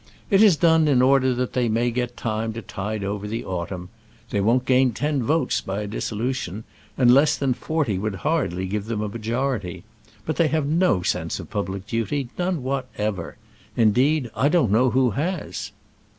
"It is done in order that they may get time to tide over the autumn. They won't gain ten votes by a dissolution, and less than forty would hardly give them a majority. But they have no sense of public duty none whatever. Indeed, I don't know who has."